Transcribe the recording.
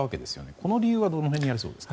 この理由はどの辺にありそうですか？